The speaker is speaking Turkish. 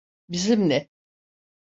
Bizimle.